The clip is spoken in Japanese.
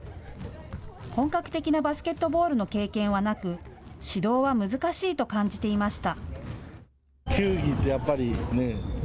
本格的なバスケットボールの経験はなく指導は難しいと感じていました。